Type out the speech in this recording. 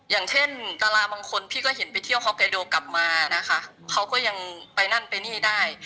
อย่างเช่นดาราบางคนพี่ก็เห็นไปเที่ยวฮอกไกโดกลับมานะคะเขาก็ยังไปนั่นไปนี่ได้